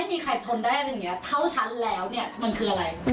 ไม่มีใครทนได้อะไรอย่างนี้เท่าฉันแล้วเนี่ยมันคืออะไร